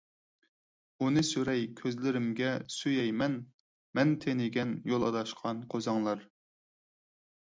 ئۇنى سۈرەي كۆزلىرىمگە، سۆيەي مەن، مەن تېنىگەن، يول ئاداشقان قوزاڭلار ...